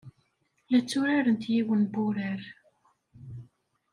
La tturarent yiwen n wurar.